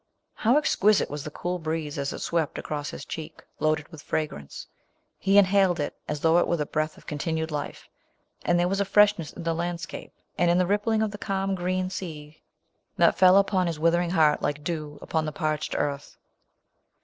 How exquisite was the cool breeze as it swept across his cheek, loaded with fragrance ! He inhaled it as though it were the breath of continued life. And there was a freshness in the landscape, and in the rippling of the calm green tea, that The Iron SlirotuJ. [Aug. fell upon his withering heart like dew upon the parched earth.